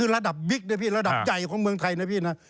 ระดับบิ๊กนะพี่ระดับใหญ่ของเมืองไทยนะพี่นะ